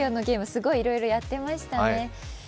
すごいいろいろやっていましたね。